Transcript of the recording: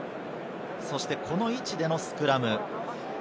そして、この位置でのスクラム。